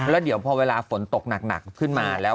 แล้วเดี๋ยวพอเวลาฝนตกหนักขึ้นมาแล้ว